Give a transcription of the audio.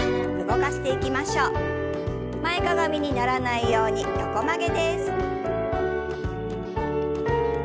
前かがみにならないように横曲げです。